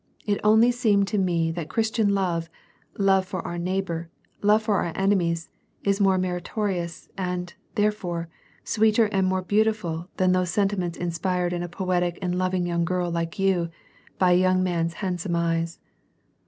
It only seemed to me that Christian love, love for our neighbor, love for our enemies, is moi e meritorious, and, therefore, sweeter and more beautiful than those sentiments inspired in a poetic and loving young girl like you by a young man's hand some eyes.